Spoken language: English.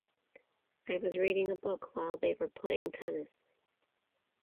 I was reading a book while they were playing tennis.